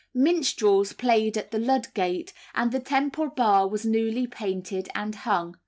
Minstrels played at Ludgate, and the Temple Bar was newly painted and hung.